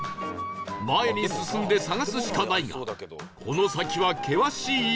前に進んで探すしかないがこの先は険しい山